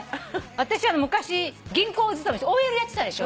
私昔銀行勤めしてＯＬやってたでしょ。